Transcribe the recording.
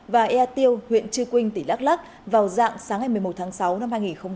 và ea tiêu huyện trư quynh tỉnh đắk lắc vào dạng sáng ngày một mươi một tháng sáu năm hai nghìn hai mươi